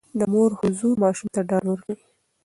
د مور حضور ماشوم ته ډاډ ورکوي.